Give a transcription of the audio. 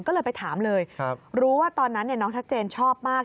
ก็เลยไปถามเลยรู้ว่าตอนนั้นน้องชัดเจนชอบมาก